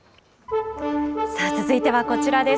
続いてはこちらです。